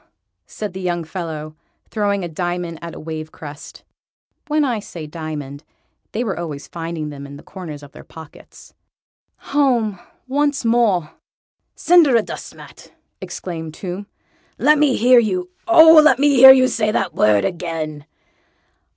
said the young fellow, throwing a diamond at a wave crest. (When I say "diamond" they were always finding them in corners of their pockets.) "Home once more!" "Cinderadustmat!" exclaimed Tomb. "Let me hear you, oh! let me hear you say the word again!"